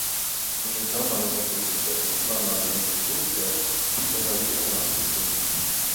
Życzę pani poseł sukcesu i mam nadzieję, że wkrótce wejdzie ona w życie